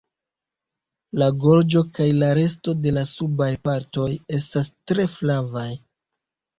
La gorĝo kaj la resto de subaj partoj estas tre flavaj.